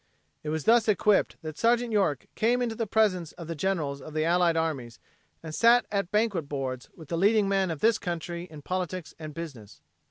It was thus equipped that Sergeant York came into the presence of the generals of the Allied armies and sat at banquet boards with the leading men of this country in politics and business.